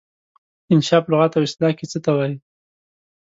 انشأ په لغت او اصطلاح کې څه ته وايي؟